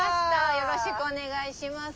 よろしくお願いします。